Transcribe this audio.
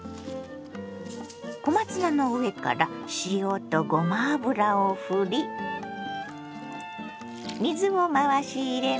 小松菜の上から塩とごま油をふり水を回し入れます。